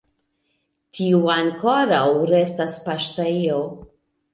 Tiu ankoraŭ restas paŝtejo.